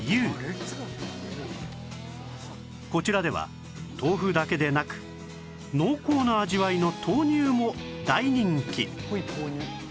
こちらでは豆腐だけでなく濃厚な味わいの豆乳も大人気！